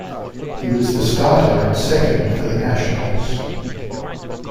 He was the starter at second for the Nationals.